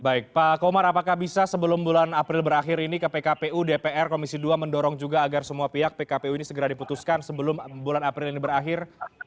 baik pak komar apakah bisa sebelum bulan april berakhir ini ke pkpu dpr komisi dua mendorong juga agar semua pihak pkpu ini segera diputuskan sebelum bulan april ini berakhir